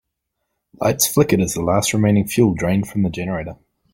Lights flickered as the last remaining fuel drained from the generator.